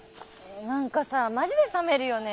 何かさマジでさめるよね。